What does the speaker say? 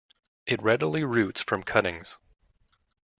It readily roots from cuttings.